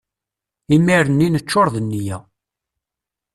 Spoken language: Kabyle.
Imir-nni neččur d nneyya.